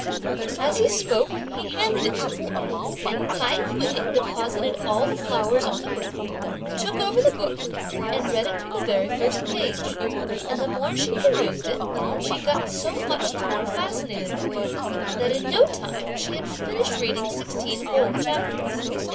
As he spoke, he handed it to her; and Tai yü deposited all the flowers on the ground, took over the book, and read it from the very first page; and the more she perused it, she got so much the more fascinated by it, that in no time she had finished reading sixteen whole chapters.